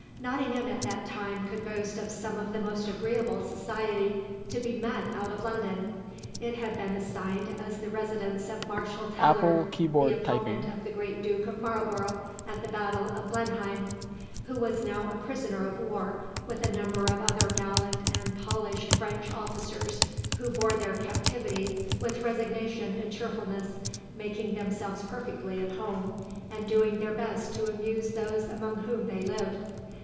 Nottingham at that time could boast of some of the most agreeable society to be met out of London. It had been assigned as the residence of Marshall Tallard, the opponent of the great Duke of Marlborough at the battle of Blenheim, who was now a prisoner of war with a number of other gallant and polished French officers, who bore their captivity with resignation and cheerfulness, making themselves perfectly at home, and doing their best to amuse those among whom they lived.